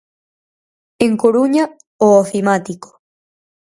En Coruña, o Ofimático.